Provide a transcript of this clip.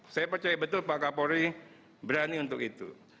saya percaya betul pak kapolri berani untuk itu